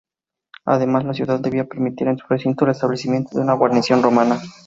Además la ciudad debía permitir en su recinto el establecimiento de una guarnición romana.